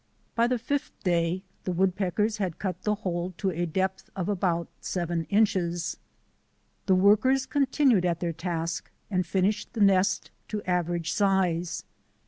By the fifth day the woodpeckers had cut the hole to a depth of about seven inches. The work ers continued at their task and finished the nest to average size.